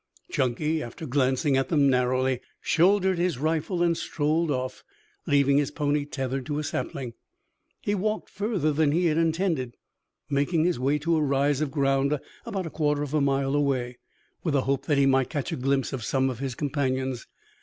Chunky, after glancing at them narrowly, shouldered his rifle and strolled off, leaving his pony tethered to a sapling. He walked further than he had intended, making his way to a rise of ground about a quarter of a mile away, with the hope that he might catch a glimpse of some of his companions.